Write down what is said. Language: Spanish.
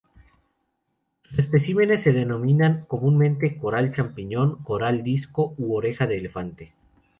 Sus especímenes se denominan comúnmente coral champiñón, coral disco u oreja de elefante.